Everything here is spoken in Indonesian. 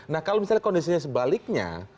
nah kalau misalnya kondisinya sebaliknya